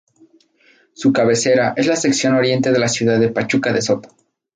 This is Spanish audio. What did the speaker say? Su cabecera es la sección oriente de la ciudad de Pachuca de Soto.